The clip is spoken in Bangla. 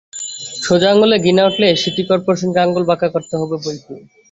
সোজা আঙুলে ঘি না উঠলে সিটি করপোরেশনকে আঙুল বাঁকা করতে হবে বৈকি।